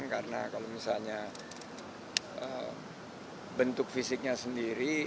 karena kalau misalnya bentuk fisiknya sendiri